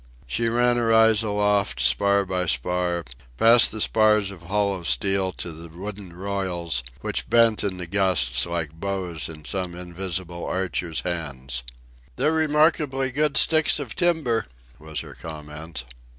She ran her eyes aloft, spar by spar, past the spars of hollow steel to the wooden royals, which bent in the gusts like bows in some invisible archer's hands. "They're remarkably good sticks of timber," was her comment.